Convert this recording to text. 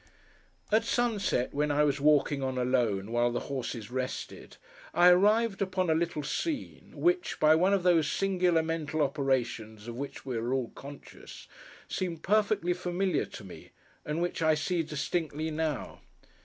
At sunset, when I was walking on alone, while the horses rested, I arrived upon a little scene, which, by one of those singular mental operations of which we are all conscious, seemed perfectly familiar to me, and which I see distinctly now.